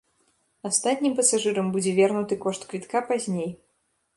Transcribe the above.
Астатнім пасажырам будзе вернуты кошт квітка пазней.